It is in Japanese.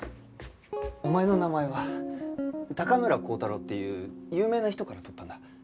お前の名前は高村光太郎っていう有名な人から取ったんだ。